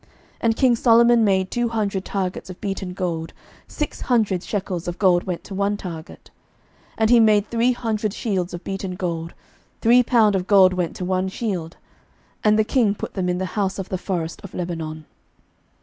11:010:016 And king Solomon made two hundred targets of beaten gold: six hundred shekels of gold went to one target. 11:010:017 And he made three hundred shields of beaten gold; three pound of gold went to one shield: and the king put them in the house of the forest of Lebanon.